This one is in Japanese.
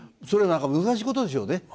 それ難しいことですよね？